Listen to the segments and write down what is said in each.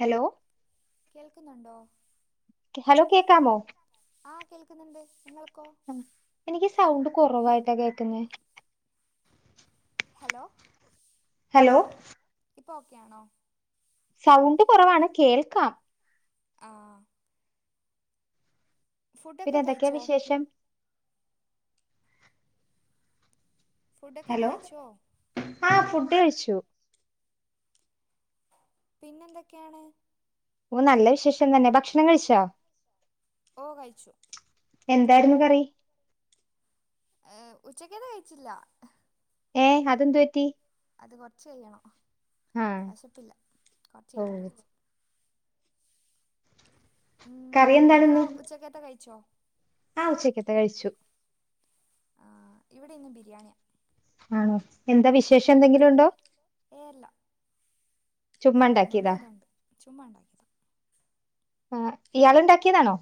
Hello കേൾക്കുന്നുണ്ടോ hello കേക്കാമോ? ആഹ്, കേക്കുന്നുണ്ട്. നിങ്ങൾക്കോ? എനിക്ക് സൗണ്ട് കെറവായിട്ടാ കേക്കുന്നെ. ഹലോ ഹലോ ഇപ്പൊ ഓക്കെയാണോ? സൗണ്ട് കൊറവാണ്. കേൾക്കാം. ആഹ് ഫുഡൊക്കെ പിന്നെന്തക്കെയാ കഴിച്ചോ വിശേഷം? ഫുഡക്കെ കയിച്ചോ? ആഹ്, ഫുഡ് കഴിച്ചു. പിന്നെന്തക്കെയാണ്? ഓഹ്, നല്ല വിശേഷം തന്നെ. ഭക്ഷണം കഴിച്ചോ? ഓഹ്, കഴിച്ചു. എന്തായിരുന്നു കറി? ഉച്ചക്കത് കഴിച്ചില്ല. ഏഹ്, അതെന്തു പറ്റി? അത് കൊറച്ച് കയ്യണം. ആ വെശപ്പില്ല കൊറച്ച് ഓ കയ്യട്ടെ വെച്ച്. ഉം, കറി നിങ്ങളോ ഉച്ചക്കത്തെ കയിച്ചോ? ആഹ് ഉച്ചയ്ക്കത്തെ കഴിച്ചു. ആഹ് ഇവിടെ ഇന്ന് ബിരിയാണിയാ. ആണോ, എന്താ വിശേഷം എന്തെങ്കിലും ഒണ്ടോ? ഏയ് അല്ല. തിന്നാൻ തോന്നി ചുമ്മണ്ടാക്കിയതാ. അതുണ്ട് ചുമ്മാ ഉണ്ടാക്കിയതാ ഇയാളുണ്ടാക്കിയതാണോ?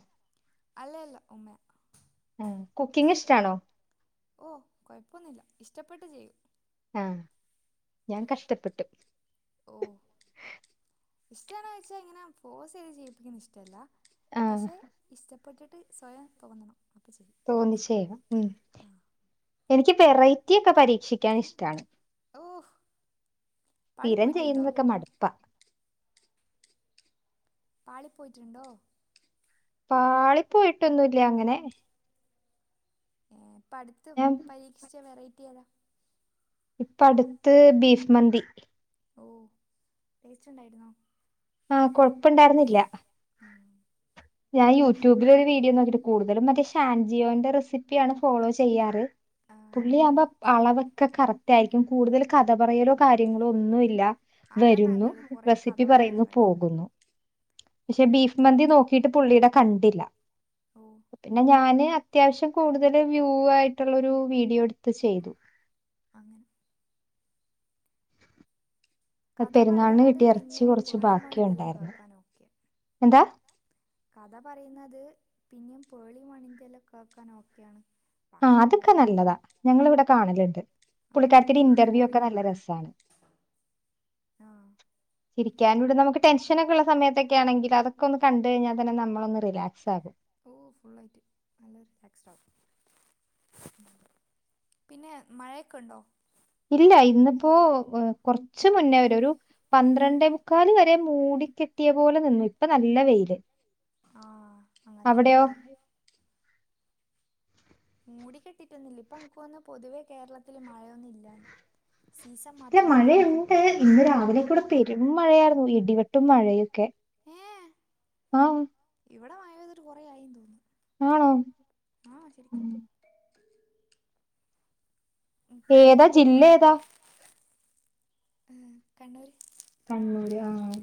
അല്ലല്ല ഉമ്മയാ. ആഹ്, കുക്കിങ് ഇഷ്ടാണോ? ഓഹ് കൊഴപ്പൊന്നുല്ല. ഇഷ്ടപ്പെട്ട് ചെയ്യും. ആഹ്, ഞാൻ കഷ്ടപ്പെട്ടും. ഓഹ്, ഇഷ്ടാണോന്ന് ചോയ്‌ച്ചാ ഇങ്ങനെ ഫോഴ്സ് ചെയ്ത് ചെയ്യിപ്പിക്കുന്ന ഇഷ്ടല്ല. ആ പക്ഷെ, ഇഷ്ടപ്പെട്ടിട്ട് സ്വയം തോന്നണം അപ്പ ചെയ്യും. തോന്നിച്ചെയ്യാ. ഉം, എനിക്ക് വെറൈറ്റി ഒക്കെ പരീക്ഷിക്കാൻ ഇഷ്ടാണ്. ഓഹ് സ്ഥിരം ചെയ്യുന്നതൊക്കെ മട്പ്പാ. പാളി പോയിട്ടുണ്ടോ? പാളി പോയിട്ടൊന്നുല്ല അങ്ങനെ. ഇപ്പട്ത്ത് ഞാൻ പരീക്ഷിച്ച വെറൈറ്റി ഏതാ? ഇപ്പ അട്ത്ത് ബീഫ് മന്തി. ഓഹ് ടേസ്റ്റുണ്ടായിരുന്നോ? ആഹ് കൊഴപ്പണ്ടായിരുന്നില്ല. ഉം. ഞാൻ യൂട്യൂബിൽ ഒരു വീഡിയോ നോക്കിട്ട് കൂടുതലും മറ്റേ ഷാൻജിയോന്റെ റെസിപ്പിയാണ് ഫോളോ ചെയ്യാറ്. ആ, പുള്ളിയാവുമ്പ അളവൊക്കെ കറക്റ്റായി രിക്കും. കൂടുതല് കഥ പറയലോ കാര്യങ്ങളോ ഒന്നുമില്ല. അതാ വരുന്നു, നല്ലത് കുറേ കഥ റെസിപ്പി പറയുന്നതിനെ പറയുന്നു, കാട്ടി പോകുന്നു. പക്ഷെ ബീഫ് മന്തി നോക്കിയിട്ട് പുള്ളിടെ കണ്ടില്ല. ഓഹ് പിന്നെ ഞാന് അത്യാവശ്യം കൂടുതൽ വ്യൂ ആയിട്ടുള്ള ഒരു വീഡിയോ എടുത്ത് ചെയ്തു. അങ്ങനെ കഥ പെരുന്നാളിന് പറയുന്നത് കിട്ടിയ ഇറച്ചി പിന്നെയും കുറച്ച് പേളി ബാക്കി മണിൻ്റെയൊക്കെ ഉണ്ടായിരുന്നു കേക്കാൻ ഓക്കെ എന്താ? കഥ പറയുന്നത് പിന്നിം പേളി മണിന്റെ എല്ലം കേക്കാൻ ഓക്കെയാണ് ആഹ് ബാക്കിയെല്ലാം അതൊക്കെ ബോറിങ് നല്ലതാ ഞങ്ങള് ഇവിടെ കാണല്ണ്ട് ആ പുള്ളിക്കാരത്തീടെ ബാക്കിയെല്ലാം ഇന്റർവ്യൂ ഒക്കെ ബോറിങ്ങാ നല്ല രസാണ് ആഹ് ഇരിക്കാനൂടെ നമ്മക്ക് ടെൻഷനൊക്കെയിള്ള സമയത്തെക്കെയാണെങ്കി അതൊക്കെ ഒന്ന് കണ്ട് കഴിഞ്ഞാ തന്നെ നമ്മളൊന്ന് റിലാക്സ് ആകും. ഓഹ് ഫുള്ളായിറ്റ് നല്ല റിലാക്സ്ടാകും. പിന്നെ മഴയൊക്കെ ഇണ്ടോ? ഇല്ലാ ഇന്നിപ്പോ ഏഹ് കൊറച്ച് മുന്നേ വരെ ഒരു പന്ത്രണ്ടേ മുക്കാല് വരെ മൂടിക്കെട്ടിയ പോലെ നിന്നു ഇപ്പൊ നല്ല വെയില് ആഹ് അങ്ങൻത്തെന്നെയാ അവിടെയോ ഇവടിം മൂടി കെട്ടിട്ടൊന്നൂല്ലാ ഇപ്പം എൻക്ക് തോന്ന് പൊതുവേ കേരളത്തില് മഴയൊന്നും ഇല്ലാന്ന് സീസൺ മാ ല് മഴയൊണ്ട് ഇന്ന് രാവിലെക്കെ ഇവടെ പെരും മഴയായിരുന്നു ഇടിവെട് ഏഹ് ആ ഇവിടെ മയപെയ്തിറ്റ് കൊറെ ആയീന്ന് തോന്ന് ആണോ ആഹ് ശരിക്കും ഇപ്പോ ഏതാ ജില്ല ഏതാ? ആഹ് കണ്ണൂര് കണ്ണൂര് ആഹ്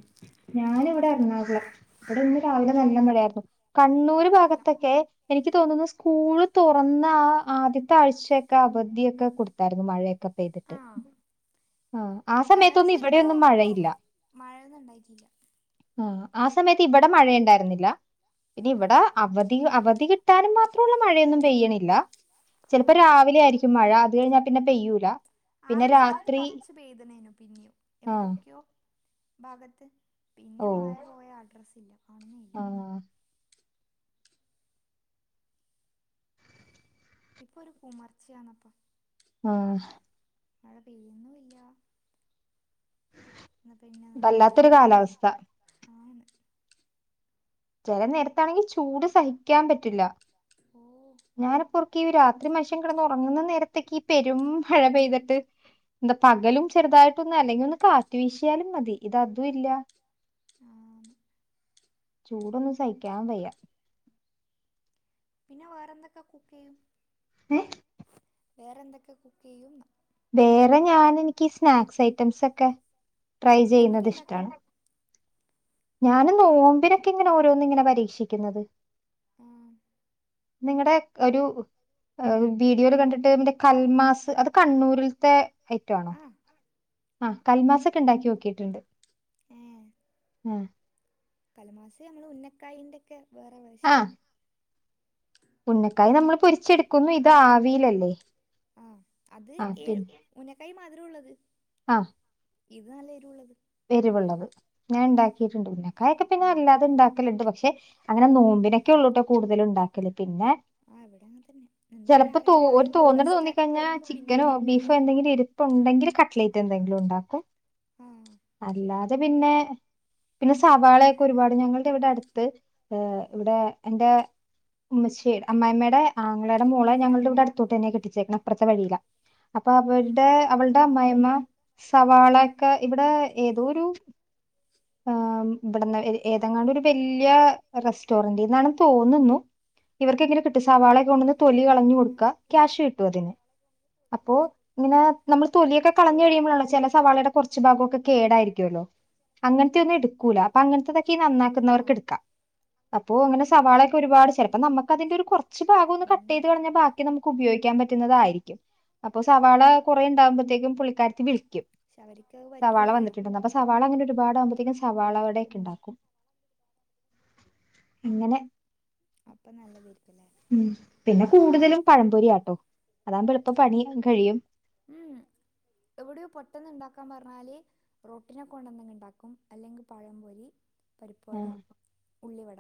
ഞാനിവിടെ എറണാകുളം ഇവിടെ ഇന്ന് രാവിലെ നല്ല മഴയായിരുന്നു. കണ്ണൂര് ഇവിടെ ഇല്ല ഭാഗത്തെക്കെ എനിക്ക് തോനുന്നു സ്കൂള് തൊറന്ന ആഹ് ആദ്യത്തെ ആഴ്ച്ചയൊക്കെ അവധിയൊക്കെ കൊടുത്തായിരുന്നു മഴയൊക്കെ പെയ്ത് ആഹ് ആഹ് ആ എന്നാലും സമയത്തൊന്നും ഇവിടെ ശരിക്കും ഒന്നും മഴയില്ലാ മഴയൊന്നും ഉണ്ടായിട്ടില്ല ആഹ് ആ സമയത്ത് ഇവിടെ മഴയ്ണ്ടായിരുന്നില്ലാ ഇനി ഇവിടെ ആഹ് അവധി അവധി കിട്ടാനും മാത്രൊള്ള മഴയൊന്നും പെയ്യണില്ലാ ചെലപ്പം ആഹ് രാവിലെ ആയിരിക്കും മഴ അത് കഴിഞ്ഞാ പിന്നെ പെയ്യൂല പിന്നെ രാത് ത് കൊറച്ച് പെയ്ത്ണേനു പിന്നിയും എവിടെക്കെയോ ഭാഗത്ത് പിന്നെ ഓ മയ പോയ അഡ്രസ്സേ ഇല്ലാ ആ കാണുന്നില്ലാ ഇപ്പൊ ഒരു കുമർച്ചയാന്നപ്പാ ആഹ് മഴ പെയ്യ്ന്നൂല്ലാ ഇന്നാ പിന്നെ നല്ല വല്ലാത്തൊരു വെയിലു അല്ലാ കാലാവസ്ഥ ആന്ന് ചെല നേരത്താണെങ്കി ചൂട് സഹിക്കാൻ പറ്റില്ലാ ഓഹ് ഞാനപ്പോർക്കും ഈ രാത്രി മൻഷ്യൻ കെടന്ന് ഒറങ്ങുന്ന നേരത്തൊക്കെ ഈ പെരും മഴ പെയ്തിട്ട് എന്താ പകലും ചെറുതായിട്ടൊന്ന് അല്ലെങ്കി ഒന്ന് കാറ്റ് വീശിയാലും മതി ഇത് അതും ഇല്ലാ ആഹ് ചൂടൊന്നും സഹിക്കാൻ വയ്യാ പിന്നെ വേറെന്തൊക്കെ കുക്കെയ്യും ഏ വേറെ എന്തൊക്കെ കുക്കെയ്യുംന്ന് വേറെ ഞാന് എനിക്ക് സ്നാക്സ് ഐറ്റംസ് ഒക്കെ ട്രൈ എന്തൊക്കെ ചെയ്യുന്നത് ഉണ്ടാക്കും ഇഷ്ട്ടാണ്. ഞാന് നോമ്പിനൊക്കെ ഇങ്ങനെ ഓരോന്ന് ഇങ്ങനെ പരീക്ഷിക്കുന്നത് ആഹ് നിങ്ങടെ ഒരു അഹ് വീഡിയോയിൽ കണ്ടിട്ട് ന്റെ കൽമാസ് അത് കണ്ണൂരിലത്തെ അയ്‌റ്റാണോ ആ ആഹ് കൽമാസൊക്കെ ഇണ്ടാക്കി നോക്കിട്ടുണ്ട് ഏഹ് കൽമാസ് നമ്മള ഉുന്നക്കായിന്റെക്കെ വേറെ ആ വേർഷൻ. ഉന്നക്കായ നമ്മൾ പൊരിച്ചെടുക്കുന്നു ഇത് ആവിയിലല്ലേ ആഹ് അത് ആ ഈ ഉന്നക്കായി മതുരള്ളത് ആഹ് ഇത് നല്ലേരുള്ളത് എരുവുള്ളത് ഞാൻ ഇണ്ടാക്കിയിട്ടുണ്ട് ഉന്നകായക്കോ പിന്നെ ആ അല്ലാതെ ഇണ്ടാക്കല്ണ്ട് പക്ഷെ അങ്ങനെ നോമ്പിനൊക്കെ ഒള്ളൂട്ടൊ കൂടുതലും ഉണ്ടാക്കല് പിന്നെ ആ ഇവിടെ അങ്ങനെ തന്നെ എന്തെങ്കിലും ചെലപ്പോ തോ ആരെങ്കിലും ഒരു വരുമ്പോ തോന്നല് ഗസ്റ്റ് ആറ്റം തോന്നിക്കഴിഞ്ഞാ വരുമ്പോ പിന്നെ ചിക്കനോ ഉണ്ടാക്കും ബീഫ് എന്തങ്കില് ഇരിപ്പ് ഉണ്ടെങ്കില് കട്ട്ലേറ്റ് എന്തെങ്കിലും ഉണ്ടാക്കും ആഹ് അല്ലാതെ പിന്നെ പിന്നെ സവാളയൊക്കെ ഒരുപാട് ഞങ്ങൾടെ ഇവിടെ അട്ത്ത് ഇവിടെ എന്റെ ഉമ്മച്ചിടെ അമ്മായ്മ്മടെ ആങ്ങളെടെ മോളെ എങ്ങനാ ഞങ്ങൾടെ ഇവടെ അടുത്തോട്ട്ന്നെ കെട്ടിച്ചേക്കണ് അപ്പൊറത്തെ വഴീലാ അപ്പ അവര്ടെ അവളുടെ ഓ അമ്മായിമ്മ സവാളൊക്കെ ഇവിടെ ഏതോരു [inaudible] ഇബടന്ന് ഏതെങ്ങാണ്ടൊരു ബല്ല്യ റെസ്റ്റോറന്റീന്നാണ് തോന്നുന്നു ഇവർക്കെങ്ങനെ കിട്ടും സവാളെക്ക കൊണ്ടന്ന് തൊലി കളഞ്ഞു ആ കൊടുക്കാ ക്യാഷ് കിട്ടു അതിന് അപ്പോ ഇങ്ങനെ നമ്മൾ തൊലിയൊക്കെ ഓ കളഞ്ഞു കഴിയുമ്പോഴാല്ലോ ചെല സവാളയുടെ കൊറച്ച് ഭാഗ ഒക്കെ കേടായിരിക്കുല്ലോ അങ്ങനത്തെന്നും എടുക്കൂല അപ്പൊ അങ്ങനത്തെതൊക്കെ ഇ ആ നന്നാക്കുന്നവർക്ക് എടുക്കാ അപ്പോ അങ്ങനെ സവാളൊക്കെ ഒരുപാട് ചെലപ്പോ നമുക്ക് അതിന്റെ ഒരു കൊറച്ച് ഭാഗൊന്ന് അങ്ങനെ കട്ടൈയ്ത് കളഞ്ഞ ബാക്കി നമുക്ക് ഉപയോഗിക്കാം പറ്റുന്നതായിരിക്കും അപ്പൊ സവാള കുറേണ്ടാകുമ്പഴത്തേക്കും പുള്ളിക്കാരത്തി വിളിക്കും ക്ഷെ അവരിക്കഹ്പറ്റ് സവാള വന്നിട്ടുണ്ടണ്ട് അപ്പൊ സവാള അങ്ങനെ ഒരുപാട് ആകുമ്പത്തേക്കും ഓ സവാള വടക്കെണ്ടാക്കും അങ്ങനെ അപ്പം നല്ല തൈകുല്ലേ ഉം പിന്നെ കൂടുതലും പഴംപൊരിയാട്ടോ അതാകുമ്പോ എളുപ്പം പണിം കഴിയും ഇവിടെ പൊട്ടെന്ന് ഇണ്ടാക്കാൻ പറഞ്ഞാല് റൊട്ടിനെ കൊണ്ടന്നങ്ങ് ഇണ്ടാക്കും അല്ലങ്കി പഴം പൊരി പരിപ്പ് വട ഉള്ളി വട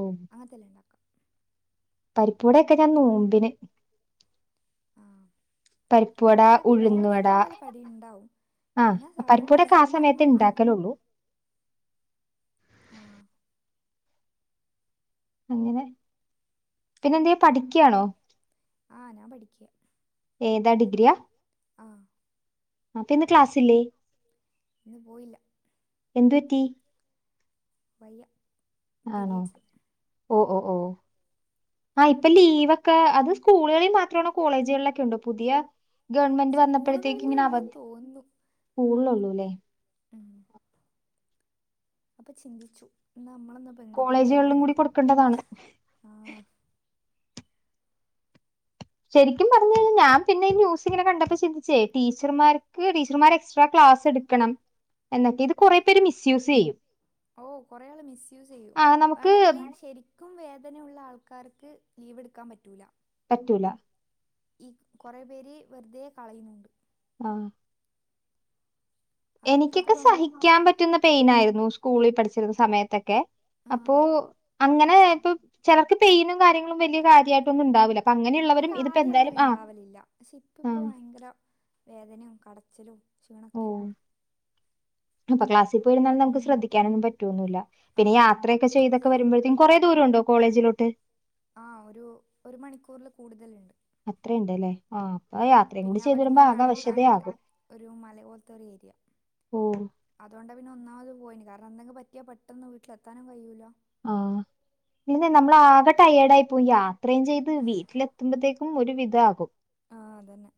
ഓഹ് അങ്ങനത്തെല്ലാം ഇണ്ടാക്കും പരിപ്പ് വടൊക്കെ ഞാൻ നോമ്പിന് പരിപ്പുവട ഇവിടെണ്ടാക്കും നോമ്പിന് ഉഴുന്നുവട പിന്നെ എന്തായാലും കടിണ്ടാവും ആഹ് പിന്നെ പരിപ്പുവടയൊക്കെ സാധാരണാസോ ആ സമയത്തെ ആരെങ്കി ഇണ്ടെങ്കി ഇണ്ടാക്കലുള്ളൂ ആഹ് അങ്ങനെ പിന്നെ എന്തേ പഠിക്കാണോ ആഹ് ഞാൻ പഠിക്കാ ഏതാ ഡിഗ്രിയാ ആഹ് അപ്പ ഇന്ന് ക്ലാസ്സ് ഇല്ലേ ഇന്ന് പോയില്ല എന്ത് പറ്റി വയ്യ ആണോ പീരീഡ്സാ ഓഹ് ഓഹ് ഓഹ് ആഹ് ഇപ്പൊ ലീവൊക്കെ അത് സ്കൂളുകളിൽ മാത്രാണോ കോളേജുകളിലൊക്കെ ഉണ്ടോ പുതിയ- ഗവൺമെന്റ് വന്നപ്പഴത്തേക്ക് സ്കൂളുകളിലേ ഇങ്ങനെ ഉള്ളൂ അവധി തോന്നുന്നു സ്കൂളില് ഒന്നും ഇല്ലേ ഉം അപ്പൊ ചിന്തിച്ചു ഇന്ന് നമ്മള് കോളേജുകളിലും കൂടി കൊടുക്കണ്ടതാണ് ആ ശരിക്കും പറഞ്കഴിഞ്ഞാ ഞാ പിന്നെ ന്യൂസ് ഇങ്ങനെ കണ്ടപ്പോ ചിന്തിച്ചേ - ടീച്ചർമാർക്ക് ടീച്ചർമാർ എക്സ്ട്രാ ക്ലാസ് എടുക്കണം എന്നാക്കെ ഇത് കൊറേ പേര് മിസ് യൂസ് ചെയ്യും ഓഹ് കൊറേ ആൾ മിസ് യൂസ് ചെയ്യും ആ നമുക്ക് വേണെങ്കില് ശരി ക്കും വേദനയുള്ള ആൾക്കാർക്ക് ലീവെടുക്കാൻ പറ്റൂല്ല പറ്റൂല ഈ കൊറേ പേര് വെറുതെ കളയുന്നുണ്ട് ആഹ് അത് ഇപ്പോഴത്തെ എനിക്കൊക്കെ പെൺ സഹിക്കാൻ പറ്റുന്ന പെയിനായിരുന്നു സ്കൂളിൽ പഠിച്ചിരുന്ന സമയത്തൊക്കെ ആ അപ്പോ അങ്ങനെ ആയപ്പൊ ചെലർക്ക് പെയിനും കാര്യങ്ങളും വല്യ കാര്യമായിട്ടൊന്നും ഉണ്ടാവുല എനക്ക് ആദ്യം അങ്ങനെ ഇണ്ടാവലില്ല പക്ഷെ ഇപ്പ ആ ഇപ്പ ഭയങ്കരം- വേദനേം കടച്ചിലും ക്ഷീണൊക്കെയാ ഇപ്പ ക്ലാസിപൊയി ഇരുന്നാലും നമുക്ക്‌ ശ്രദ്ധിക്കാനും ഒന്നും പറ്റുവൊന്നുവില്ല പിന്നെ ആ യാത്രയൊക്കെ ചെയ്തൊക്കെ വരുമ്പോഴത്തേക്കും കൊറേ ദൂരം ഉണ്ടോ കോളേജിലോട്ട് ആഹ് ഒരു ഒരു മണിക്കൂറിൽ കൂടുതല് ഇണ്ട്. അത്ര ഇണ്ട് ഇല്ലേ ആഹ് ആ യാത്രയും കൂടി പിന്നെ ചെയ്തു അവിടുന്ന് വേരുമ്പോ ആകെ നടക്കാനുണ്ട് അവശ്യതയാകും ഒരു മല ഉം അതൊണ്ടാ പിന്നെ ഒന്നാമത് പോയീന് കാരണം എന്തെങ്കിലും പറ്റിയാ പെട്ടെന്ന് വീട്ടിലെത്താനും കയ്യൂല ആഹ് പിന്നെ നമ്മള് ആകെ റ്റയേട് ആയിപോയി യാത്രയും ചെയ്ത് വീട്ടിലെത്തുമ്പോഴത്തേക്കും- ക്കും ഒരു വിധം ആകും. ആഹ് അത് തന്നെ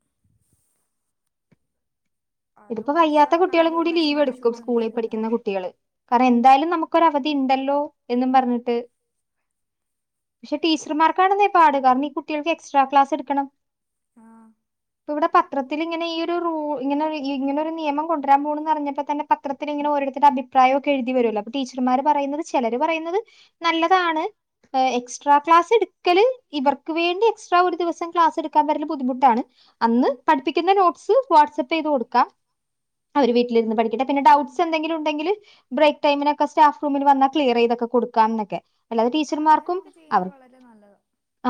അതോ ഇതിപ്പൊ വയ്യാത്ത കുട്ടികളും ബസ്സുകാർക്കാണെങ്കിൽ ഒരു കൂടി പക്ഷെ ലീവെടുക്കും മനുഷ്യത്വം സ്കൂളിൽ എന്തായാലും പഠിക്കുന്ന ഉണ്ടാവില്ല കുട്ടികള് കാരണം എന്തായാലും നമുക്കൊരവധി ഇണ്ടല്ലോ എന്നും പറഞ്ഞിട്ട് പക്ഷേ ടീച്ചർമാർക്കാണെന്നേ പാട് കാരണം ഈ കുട്ടികൾക്ക് എക്സ്ട്രാ ക്ലാസ് എടുക്കണം. ആഹ് ഇവിടെ പത്രത്തിൽ ഇങ്ങനെ ഈ ഒരു റൂള് ഇങ്ങനെ - ഇങ്ങനെ ഒരു നിയമം കൊണ്ടുവരാൻ പോണ് പറഞ്ഞപ്പോ തന്നെ പത്രത്തിൽ ഇങ്ങന ഓരോരുത്തര് അഭിപ്രായൊക്കെ എഴുതി വരുല്ലോ ടീച്ചർമാര് പറയുന്നത് ചെലര് പറയുന്നത് നല്ലതാണ് എക്സ്ട്രാ ക്ലാസ് എടുക്കല് ഇവർ- വീണ്ടും എക്സ്ട്രാ ഒരു ദിവസം ക്ലാസ് എടുക്കാൻ വരുന്നെ ബുദ്ധിമുട്ടാണ്. അന്ന് പഠിപ്പിക്കുന്ന നോട്സ് വാട്സ് പ്പ് ചെയ്ത് കൊടുക്കാം അവര് വീട്ടിലിരുന്ന് പഠിക്കട്ടെ പിന്നെ ഡൗട്ട്സ് എന്തെിലും ഉണ്ടെങ്കില് - ബ്രേക്ക് ടൈംമിനൊക്കെ സ്റ്റാഫ്റൂമിൽ വന്നാ ക്ലിയർ ചെയ്തക്കെ കൊടുക്കാം എന്നൊക്കെ അല്ലാതെ ആ ടീച്ചർമാർക്കും അങ്ങനെയൊക്കെ ചെയ്യുന്നത് അവർ- വളരെ നല്ലതാ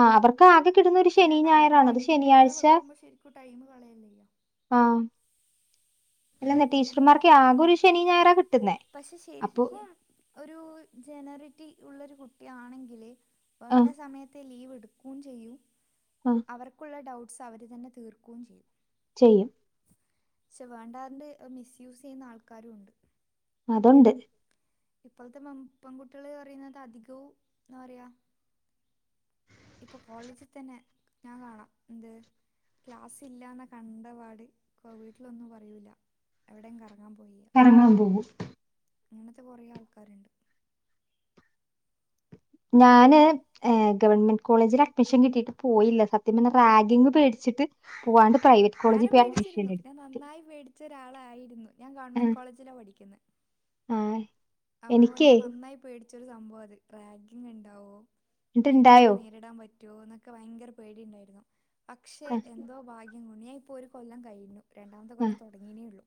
ആഹ് അവർക്ക് ആകെ കിട്ടുന്ന ഒരു ശനി അല്ലാണ്ട് ഞായറാണ് അത് അവർക്കായിട്ട് വേറെ ശനിയാഴ്ച- വെക്കുമ്പോൾ ശരിക്കും ടൈം കളയല്ലേ ആഹ് അല്ലന്നെ ടീച്ചർമാർക്കെ ആകെ ഒരു ശനിം ഞായറാ കി പക്ഷേ ശരിക്കും ഒരു ജനറിറ്റി ഉള്ളൊരു കുട്ടിയാണെങ്കില് ആ വേണ്ട സമയത്ത് ലീവ് ഇട്ക്കും ചെയ്യും ആഹ് അവർക്കുള്ള ഡൗട്ട്സ് അവര് തന്നെ തീർ‌ക്കും ചെയ്യും ചെയ്യും ചെ വേണ്ടാണ്ട് അഹ് മിസ്യൂസെയ്യുന്ന ആൾക്കാരുവുണ്ട് അതുണ്ട് ഇപ്പള്ത്തെ മ പെൺകുട്ട്യള് പറയിന്നത് അധികവും എന്താ പറിയാ ഇപ്പൊ കോളേജി തന്നെ ഞാൻ കാണാ എന്ത് ക്ലാസ്സില്ലാന്നെ കണ്ടപാട് കോ വീട്ട്ലൊന്നും പറയൂല എവ്ടെം കറങ്ങാൻ പോയിയറിം കറങ്ങാൻ പോവും ഇങ്ങനത്തെ കൊറേ ആൾക്കാര്ണ്ട് ഞാന് ഏഹ് ഗവൺമെന്റ് കോളേജില് അഡ്മിഷൻ കിട്ടിട്ട് പോയില്ല സത്യം പർഞ്ഞാ റാഗിങ് പേട്ച്ചിട്ട് പോവാണ്ട് പ്രൈവറ്റ് കോളേജി ഞാനും പോയി പേടിച്ചിരുന്നു അഡ്മിഷനെട് ഞാൻ നന്നായി പേടിച്ച ഒരാളായിരുന്നു ഞാൻ ആഹ് ഗവൺമെന്റ് കോളേജിലാ പഠിക്ക്യുന്നെ ആഹ് അപ്പൊ എനിക്കേ ഞാൻ നന്നായി പേടിച്ചൊരു സംഭവാ അത് റാഗിങ് ഇണ്ടാവോ എനിക്ക്യത് എന്നിട്ടുണ്ടായോ നേരിടാൻ പറ്റുവോന്നൊക്കെ ഭയങ്കര പേടി ഇണ്ടാരുന്നു പക്ഷേ ആഹ് എന്തോ ഭാഗ്യം കൊണ്ട് ഞായിപ്പോ ഒരു കൊല്ലം കഴിഞ്ഞു രണ്ടാമത്തെ ആഹ് കൊല്ലം തുടങ്ങിന്നേള്ളു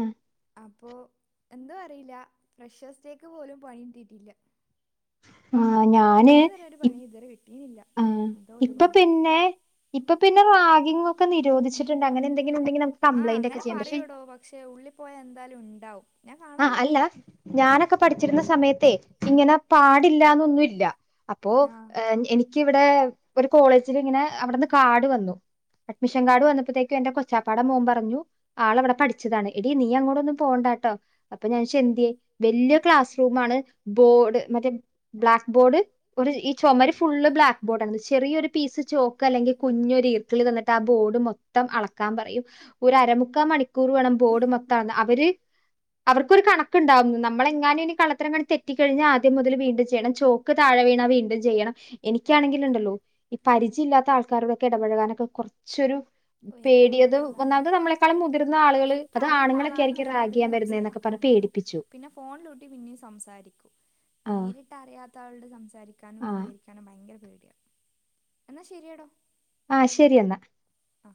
ആഹ് അപ്പോ എന്തോ അറീല്ല ഫ്രഷസ് ഡേക്ക് പോലും പണി കിട്ടിയിട്ടില്ല ആഹ് ഞാന് ഇതുവരെ ഒരു ഇ പണി ഇതുവരെ കിട്ടിയില്ല ആഹ് എന്തോ ഇപ്പ ഇതുകൊണ്ട് പിന്നെ ഇപ്പ പിന്നെ റാഗിങ്ങൊക്കെ നിരോധിച്ചിട്ട്ണ്ട് അങ്ങനെ എന്തെ ആഹ് അങ്ങനെ പറയടോ പക്ഷേ ഉള്ളി പോയാ എന്താലും ഉണ്ടാവും ഞാൻ ആഹ് കാണാറുണ്ട് അല്ല ഞാനൊക്കെ പഠ്ച്ചിരുന്ന സമയത്തെ ഇങ്ങനെ പാടില്ലാന്നൊന്നും ഇല്ല അപ്പോ ആ ഏഹ് എനിക്കിവെടെ ഒരു കോളേജില് ഇങ്ങനെ അവ്ട്ന്ന് കാർഡ് വന്നു അഡ്മിഷൻ കാർഡ് വന്നപ്പത്തേക്കും എന്റെ കൊച്ചാപ്പാടെ മോൻ പറഞ്ഞു ആള് അവടെ പഠിച്ചതാണ് എടി നീ അങ്ങോട്ടൊന്നും പോണ്ടാട്ടോ അപ്പം ഞാനോയ്ച്ച് എന്ത്യെ വെല്ല്യ ക്ലാസ് റൂമാണ് ബോർഡ് മറ്റേ ബ്ലാക്ക് ബോർഡ് ഒരു ഈ ചൊമര് ഫുള്ള് ബ്ലാക്ക് ബോർഡാണ് ചെറിയൊരു പീസ് ചോക്ക് അല്ലെങ്കി കുഞ്ഞൊര് ഈർക്കിള് തന്നിട്ട് ആ ബോർഡ് മൊ ത്തം അളക്കാൻ പറിയും ഒരു അരമുക്കാ മണിക്കൂർ വേണം ബോർഡ് മൊത്തം അളന്ന് അവര് അവർക്കൊരു കണക്ക്ണ്ടാവും നമ്മളെങ്ങാനും ഇനി കള്ളത്തരങ്ങാനും തെറ്റി കഴിഞ്ഞാ ആദ്യം മുതല് വീണ്ടും ചെയ്യണം ചോ ക്ക് താഴെ വീണാ വീണ്ടും ചെയ്യണം എനിക്ക്യാണെങ്കില്ണ്ടല്ലോ ഈ പരിചില്ലാത്ത ആൾക്കാരോടൊക്കെ ഇടപഴകാനൊക്കെ കൊറ്ച്ചൊരു ഓ ഏറ്റവും പേടിയതു പേടിയുള്ള ആളാണ് ഒന്നാമത് നമ്മളെക്കാളും മുതിർന്ന ആള്കള് അത് എനിക്കറിയുന്ന ആണ്ങ്ങളൊക്ക്യായിരിക്ക്യും ആളാണെങ്കിൽ റാഗെയ്യാൻ എത്രയും വെരുന്നേന്നൊക്കെ [unintelligible] പിന്നെ ഫോണ്ലൂട്ടി പിന്നിം സംസാരിക്കും ആഹ് നേരിട്ടറിയാത്ത ആളോട് സം സാരിക്കാനും ആഹ്. പ്രതികരിക്ക്യാനും ഭയങ്കര പേടിയാ എന്നാ ശരിയെടോ ആഹ് ശരിയന്നാ ആ